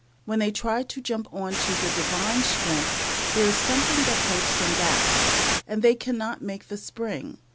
When they try to jump on to the Divine strength there is something that holds them back, and they cannot make the spring.